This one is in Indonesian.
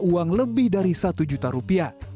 uang lebih dari satu juta rupiah